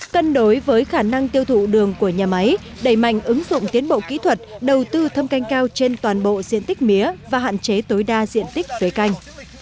cân đối với khả năng tiêu thụ đường của nhà máy đẩy mạnh ứng dụng tiến bộ kỹ thuật đầu tư thâm canh cao trên toàn bộ diện tích mía và hạn chế tối đa diện tích dưới canh